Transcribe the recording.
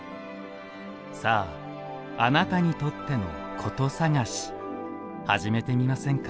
さあ、あなたにとっての古都さがしはじめてみませんか？